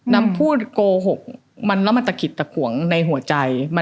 พูดโกหกมันแล้วมันตะกิดตะขวงในหัวใจ